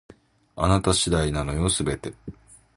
あなた次第なのよ、全て